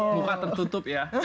muka tertutup ya